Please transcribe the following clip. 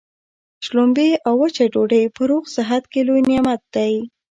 شلومبې او وچه ډوډۍ په روغ صحت کي لوی نعمت دی.